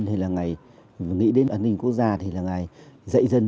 thì là ngày nghĩ đến an ninh quốc gia thì là ngày dạy dân